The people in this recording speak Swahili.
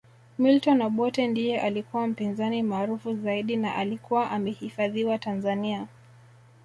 Milton Obote ndiye alikuwa mpinzani maarufu zaidi na alikuwa amehifadhiwa Tanzania